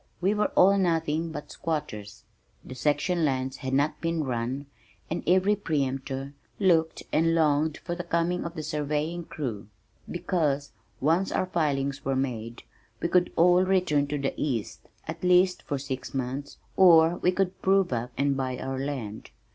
We were all nothing but squatters. The section lines had not been run and every pre emptor looked and longed for the coming of the surveying crew, because once our filings were made we could all return to the east, at least for six months, or we could prove up and buy our land.